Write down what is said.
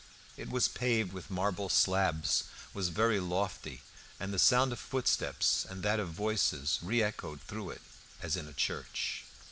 It was paved with marble slabs, was very lofty, and the sound of footsteps and that of voices re echoed through it as in a church.